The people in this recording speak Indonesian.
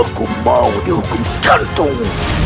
aku mau dihukum kantong